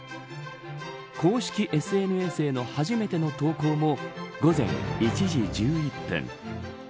公式ＳＮＳへの初めての投稿も午前１時１１分。